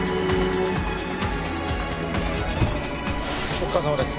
お疲れさまです。